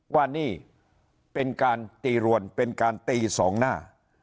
ว่านี่เป็นการตีรวนเป็นการตีสองหน้า